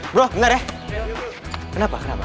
bro dengar ya kenapa kenapa